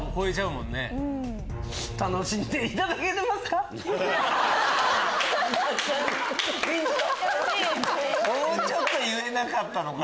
もうちょっと言えなかったのかな？